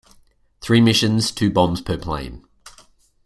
Three missions, two bombs per plane.